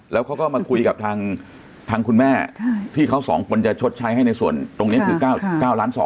แล้วเขาก็มาคุยกับทางคุณแม่ที่เขาสองคนจะชดใช้ให้ในส่วนตรงนี้คือ๙ล้าน๒